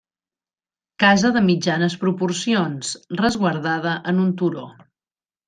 Casa de mitjanes proporcions, resguardada en un turó.